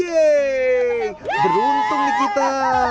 yeay beruntung nih kita